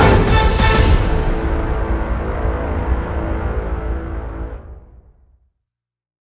ชูวิคตีแสกหน้า